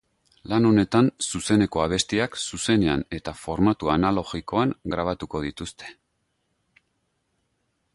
Lan honetan zuzeneko abestiak zuzenean eta formatu analogikoan grabatuko dituzte.